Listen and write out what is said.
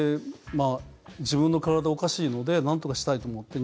自分の体、おかしいのでなんとかしたいと思って